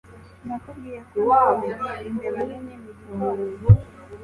Nakubwiye ko nabonye imbeba nini mu gikoni?